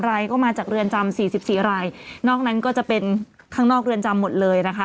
รายก็มาจากเรือนจำสี่สิบสี่รายนอกนั้นก็จะเป็นข้างนอกเรือนจำหมดเลยนะคะ